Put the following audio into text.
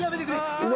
「うわ！